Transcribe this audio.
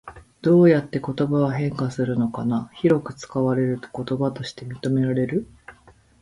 どうやって言葉は変化するのかな？広く使われると言葉として認められる？